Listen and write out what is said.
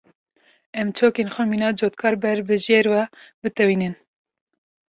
Em çokên xwe mîna cotkar ber bi jêr ve bitewînin.